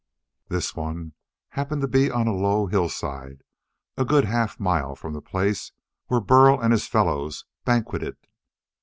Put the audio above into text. This one happened to be on a low hillside a good half mile from the place where Burl and his fellows banqueted.